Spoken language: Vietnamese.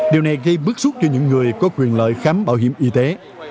điều này gây bức xúc cho những người có quyền lợi khám bảo hiểm y tế